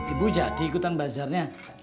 ibu jadi ikutan bazarnya